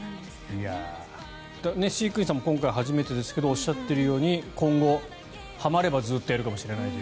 飼育員さんも今回初めてですけれどおっしゃっているように今後、はまればずっとやるかもしれないと。